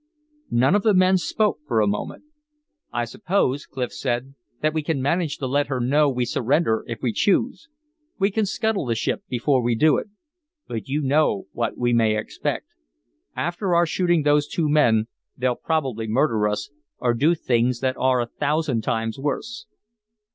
None of the men spoke for a moment. "I suppose," Clif said, "that we can manage to let her know we surrender if we choose. We can scuttle the ship before we do it. But you know what we may expect; after our shooting those two men they'll probably murder us, or do things that are a thousand times worse."